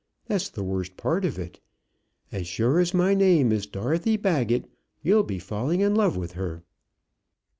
That's the worst part of it. As sure as my name is Dorothy Baggett, you'll be falling in love with her."